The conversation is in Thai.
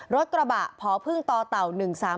รถกระบะพพึ่งตเต่า๑๓๐๔